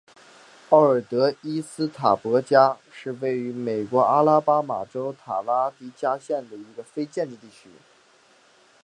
奥尔德伊斯塔博加是位于美国阿拉巴马州塔拉迪加县的一个非建制地区。